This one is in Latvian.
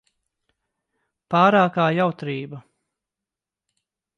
Pārākā jautrība.